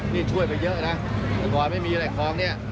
นี่ช่วยไปเยอะนะแต่ก่อนไม่มีอะไรคลองเนี่ย